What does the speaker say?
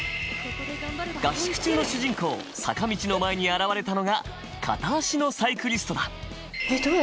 合宿中の主人公坂道の前に現れたのが片足のサイクリストだ。